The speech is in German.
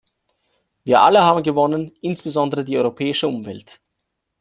Wir alle haben gewonnen, insbesondere die europäische Umwelt.